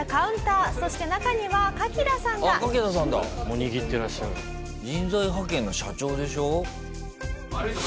「握ってらっしゃる」人材派遣の社長でしょ？